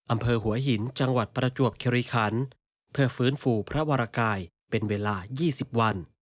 อำเภอหัวหินจังหวัดประจวบคิริคันเพื่อฟื้นฟูพระวรกายเป็นเวลา๒๐วัน